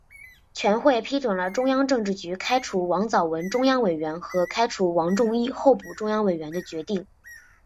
全会批准了中央政治局开除王藻文中央委员和开除王仲一候补中央委员的决定。